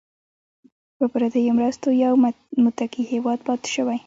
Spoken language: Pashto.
په پردیو مرستو یو متکي هیواد پاتې شوی.